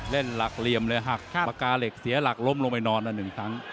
เล่นหลักเหลี่ยมเลยหักปากกาเหล็กเสียหลักล้มลงไปนอนละ๑ครั้ง